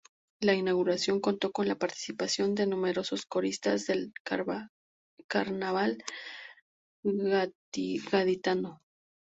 La inauguración contó con la participación de numerosos coristas del carnaval gaditano.